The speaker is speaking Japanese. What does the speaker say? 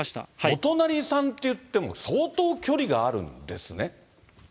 お隣さんといっても、相当距離があるんですね。